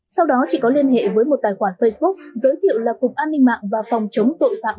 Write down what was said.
sau đó chị có liên hệ với một tài khoản facebook giới thiệu là cục an ninh mạng và phòng chống tội phạm